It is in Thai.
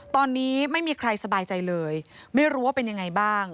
ตอนนี้ไม่มีใครสบายใจเลยไม่รู้ว่าเป็นยังไงบ้าง